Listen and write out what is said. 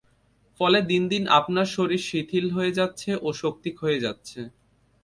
ফলে দিন দিন আপনার শরীর শিথিল হয়ে যাচ্ছে ও শক্তি ক্ষয়ে যাচ্ছে।